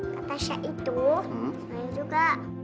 kata syah itu saya juga